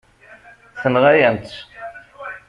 Tenɣa-yam-tt.